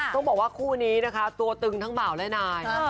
ต้องบอกว่าคู่นี้นะคะตัวตึงทั้งบ่าวและนาย